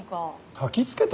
たきつけた？